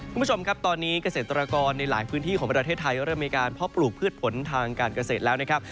คุณผู้ชมครับตอนนี้เกษตรกรในหลายพื้นที่ของประเทศไทยเริ่มมีการเพาะปลูกพืชผลทางการเกษตรแล้วนะครับ